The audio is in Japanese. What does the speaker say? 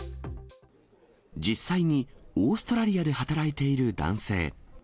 実際にオーストラリアで働いている男性。